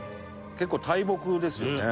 結構大木ですよね。